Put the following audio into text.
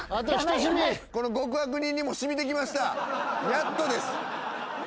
やっとです。